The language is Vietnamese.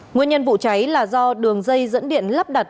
nguyên nhân vụ cháy là do đường dây dẫn điện lắp đặt